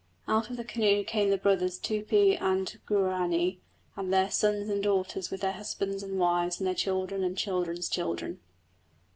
Out of the canoe came the brothers Tupi and Guarani and their sons and daughters with their husbands and wives and their children and children's children.